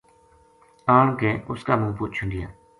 آن کے اس کا منہ پو چھنڈیا